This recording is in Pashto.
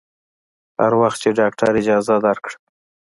هر وخت چې ډاکتر اجازه درکړه.